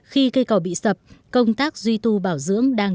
khi cây cầu bị sập công tác duy tu bảo dưỡng đang